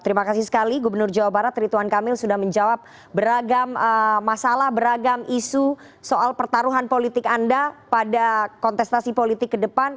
terima kasih sekali gubernur jawa barat rituan kamil sudah menjawab beragam masalah beragam isu soal pertaruhan politik anda pada kontestasi politik ke depan